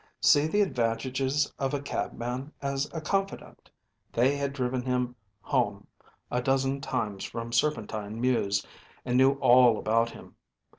See the advantages of a cabman as a confidant. They had driven him home a dozen times from Serpentine mews, and knew all about him.